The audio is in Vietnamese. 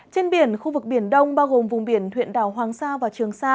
trên biển khu vực biển đông bao gồm vùng biển huyện đảo hoàng sa và trường sa